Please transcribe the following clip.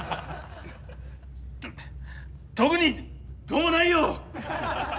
特にどうもないよ！